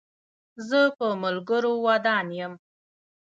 زه په ملګرو ودان یم.